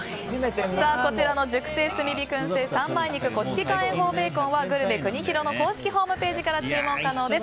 こちらの熟成炭火燻製三枚肉古式乾塩法ベーコンはぐるめくにひろの公式ホームページから注文可能です。